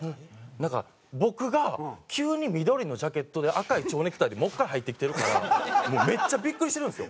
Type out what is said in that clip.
なんか僕が急に緑のジャケットで赤い蝶ネクタイでもう１回入ってきてるからもうめっちゃビックリしてるんですよ。